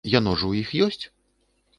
Яно ж у іх ёсць?